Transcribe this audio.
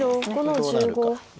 どうなるか。